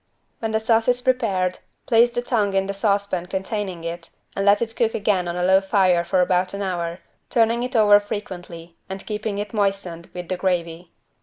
When the sauce is prepared place the tongue in the saucepan containing it and let it cook again on a low fire for about an hour, turning it over frequently and keeping it moistened with the gravy.